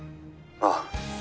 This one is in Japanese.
ああ。